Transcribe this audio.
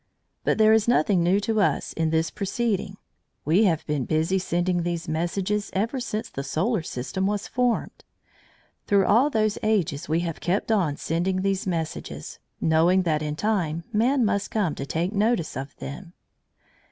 But there is nothing new to us in this proceeding; we have been busy sending these messages ever since the solar system was formed. Through all those ages we have kept on sending these messages, knowing that in time man must come to take notice of them.